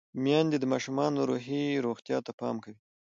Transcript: میندې د ماشومانو روحي روغتیا ته پام کوي۔